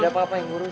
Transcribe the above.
biar papa yang urus